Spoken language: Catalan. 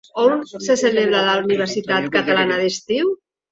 On se celebra la Universitat Catalana d'Estiu?